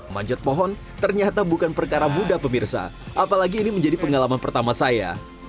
manjat pohon ternyata bukan perkara mudah pemirsa apalagi ini menjadi pengalaman pertama saya